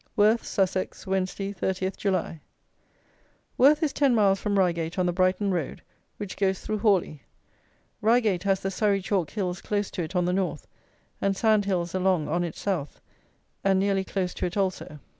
Worth (Sussex), Wednesday, 30 July. Worth is ten miles from Reigate on the Brighton road, which goes through Horley. Reigate has the Surrey chalk hills close to it on the North, and sand hills along on its South, and nearly close to it also.